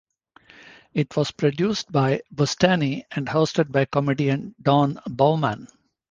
It was produced by Bustany and hosted by comedian Don Bowman.